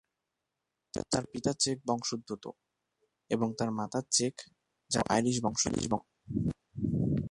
তার পিতা চেক বংশোদ্ভূত, এবং তার মাতা চেক, জার্মান ও আইরিশ বংশোদ্ভূত।